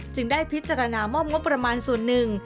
ได้พิจารณามอบงบประมาณส่วนหนึ่ง